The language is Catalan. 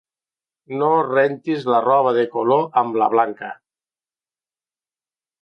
No rentis la roba de color amb la blanca.